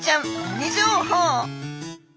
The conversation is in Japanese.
ミニ情報！